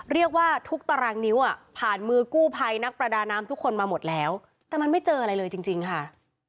เรียกว่าทุกตารางนิ้วอ่ะผ่านมือกู้ภัยนักประดาน้ำทุกคนมาหมดแล้วแต่มันไม่เจออะไรเลยจริงค่ะ